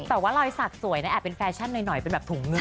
แต่ว่ารอยสักสวยนะแอบเป็นแฟชั่นหน่อยเป็นแบบถุงนึง